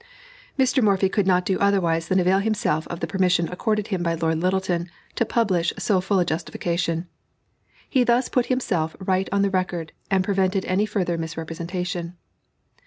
Mr. Morphy could not do otherwise than avail himself of the permission accorded him by Lord Lyttelton, to publish so full a justification. He thus put himself right on the record, and prevented any further misrepresentation.